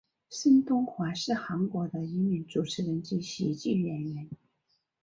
申东烨是韩国的一名主持人及喜剧演员。